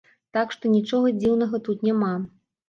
Так што, нічога дзіўнага тут няма.